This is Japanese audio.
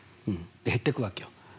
で減っていくわけよ。